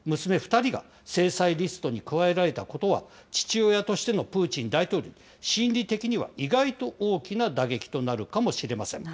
２人が制裁リストに加えられたことは、父親としてのプーチン大統領の心理的には意外と大きな打撃となるかもしれません。